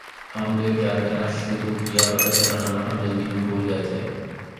omelette تیار کرنا شروع کیا پتا چلا نمک ہم جلدی میں بھول گئےتھے